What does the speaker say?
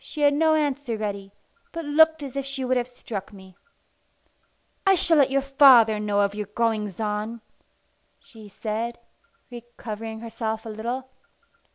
She had no answer ready, but looked as if she would have struck me. "I shall let your father know of your goings on," she said, recovering herself a little.